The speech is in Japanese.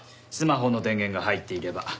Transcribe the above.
スマホの電源が入っていれば。